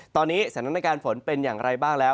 ตอนนี้สถานการณ์ฝนเป็นอย่างไรบ้างแล้ว